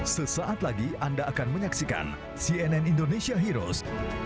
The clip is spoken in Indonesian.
sesaat lagi anda akan menyaksikan cnn indonesia heroes